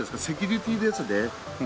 セキュリティーですね。